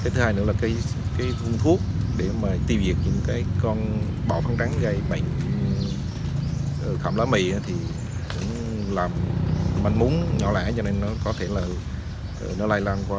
thứ hai nữa là cái vùng thuốc để mà tiêu diệt những cái con bọ băng trắng gây bệnh khảm lá mì thì cũng làm mảnh múng nhỏ lãi cho nên nó có thể là nó lây lan qua